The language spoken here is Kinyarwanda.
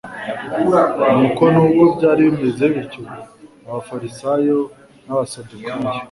Nuko nubwo byari bimeze bityo abafarisayo n'abasadukayo,